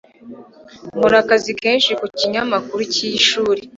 Nkora akazi kenshi ku kinyamakuru cy'ishuri.